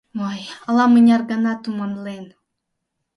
— Ой, ала-мыняр гана туманлен.